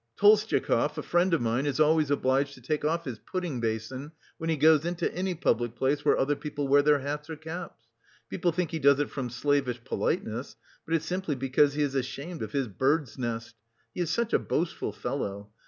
Tolstyakov, a friend of mine, is always obliged to take off his pudding basin when he goes into any public place where other people wear their hats or caps. People think he does it from slavish politeness, but it's simply because he is ashamed of his bird's nest; he is such a boastful fellow!